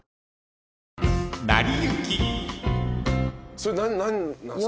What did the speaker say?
それ何なんすか？